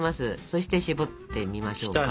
そして絞ってみましょうか？